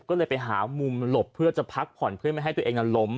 ก็เลยไปหามุมหลบเพื่อจะพักผ่อนเพื่อไม่ให้ตัวเองนั้นล้ม